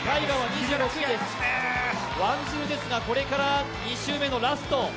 ワンジルですが、これから２周目のラスト。